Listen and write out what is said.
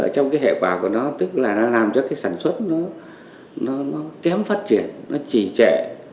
cái hẹn quả của nó tức là nó làm cho cái sản xuất nó kém phát triển nó chỉ trẻ